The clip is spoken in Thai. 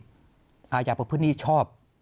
อาจารย์ประพธิ์ผู้ประธานิดนี้ชอบ